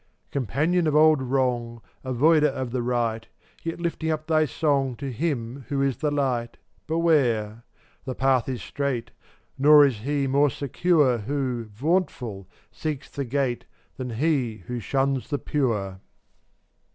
436 Companion of old Wrong, Avoider of the right, Yet lifting up thy song To Him who is the Light, Beware; the path is straight, Nor is he more secure Who, vauntful, seeks the Gate Than he who shuns the pure.